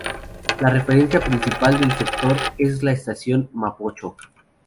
La referencia principal del sector es la Estación Mapocho.